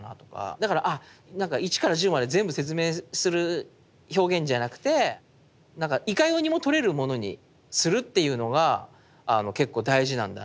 だから１から１０まで全部説明する表現じゃなくていかようにも取れるものにするっていうのが結構大事なんだなって思って。